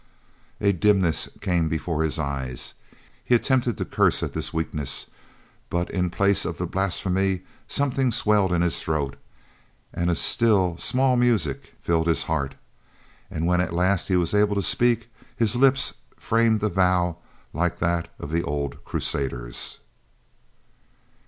A dimness came before his eyes. He attempted to curse at this weakness, but in place of the blasphemy something swelled in his throat, and a still, small music filled his heart. And when at last he was able to speak his lips framed a vow like that of the old crusaders.